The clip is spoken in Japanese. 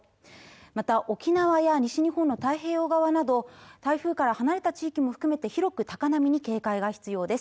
また沖縄や西日本の太平洋側など台風から離れた地域も含めて広く高波に警戒が必要です